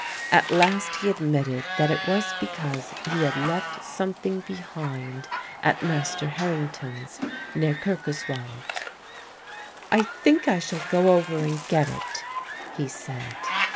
At last he admitted that it was because he had left something behind at Master Harrington's near Kirkoswald. "I think I shall go over and get it," he said.